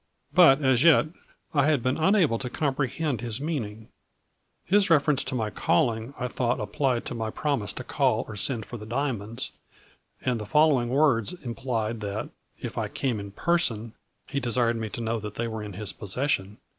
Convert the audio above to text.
But, as yet, I had been unable to comprehend his meaning. His reference to my calling I thought applied 10 my promise to call or send for the diamonds, and the following words implied that, if I came in person, he desired me to know that they were in his possession.